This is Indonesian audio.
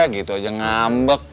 gitu aja ngambek